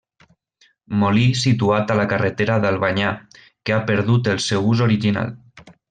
Molí situat a la carretera d'Albanyà, que ha perdut el seu ús original.